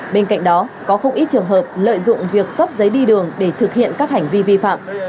bên cạnh đó có không ít trường hợp lợi dụng việc cấp giấy đi đường để thực hiện các hành vi vi phạm